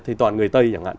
thì toàn người tây chẳng hạn